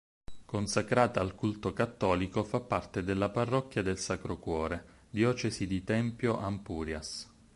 Consacrata al culto cattolico, fa parte della parrocchia del Sacro Cuore, diocesi di Tempio-Ampurias.